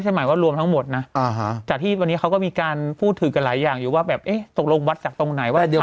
อ๋ส่วนใหญ่ยังไม่ได้ตอนนี้ถ้าฉีดไปแล้วในในกรุงเทพเนี่ย